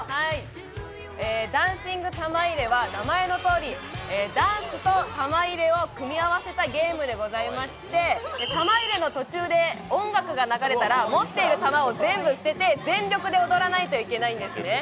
「ダンシング玉入れ」は名前のとおりダンスと玉入れを組み合わせたゲームでございまして、玉入れの途中で音楽が流れたら持っている玉を全部捨てて全力で踊らないといけないんですね。